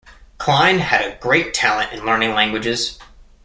Klein had a great talent in learning languages.